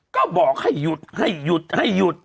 ก็บอกให้หยุด